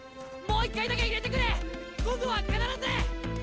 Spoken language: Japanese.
もう一回だけ入れてくれ今度は必ず！